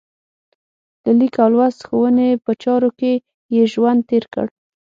د لیک او لوست ښوونې په چارو کې یې ژوند تېر کړ.